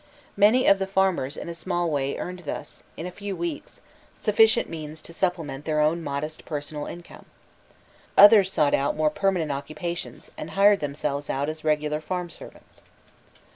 Many of the farmers in a small way earned thus, in a few weeks, sufficient means to supplement their own modest personal income. Others sought out more permanent occupations, and hired themselves out as regular farm servants.